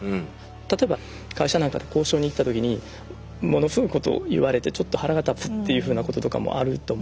例えば会社なんかで交渉に行った時にものすごいことを言われてちょっと腹が立つっていうふうなこととかもあると思うんですね。